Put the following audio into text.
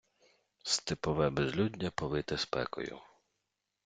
Степове безлюддя повите спекою.